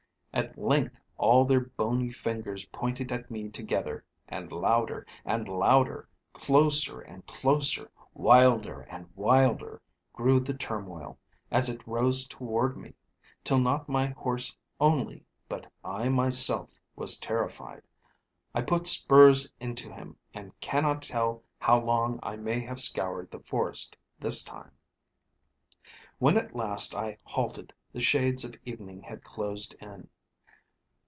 At length all their bony fingers pointed at me together; and louder and louder, closer and closer, wilder and wilder grew the turmoil, as it rose toward me, till not my horse only, but I myself was terrified; I put spurs into him, and cannot tell how long I may have scoured the forest this time. "When at last I halted, the shades of evening had closed in.